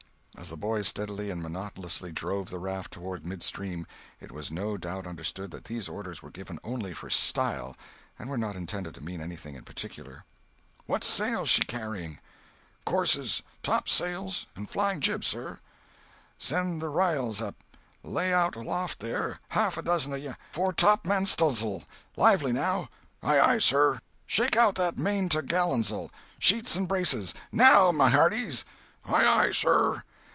As the boys steadily and monotonously drove the raft toward mid stream it was no doubt understood that these orders were given only for "style," and were not intended to mean anything in particular. "What sail's she carrying?" "Courses, tops'ls, and flying jib, sir." "Send the r'yals up! Lay out aloft, there, half a dozen of ye—foretopmaststuns'l! Lively, now!" "Aye aye, sir!" "Shake out that maintogalans'l! Sheets and braces! now my hearties!" "Aye aye, sir!"